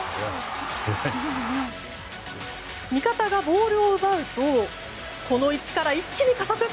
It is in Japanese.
味方がボールを奪うとこの位置から一気に加速。